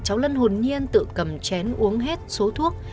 cháu lân hồn nhiên tự cầm chén uống hết số thuốc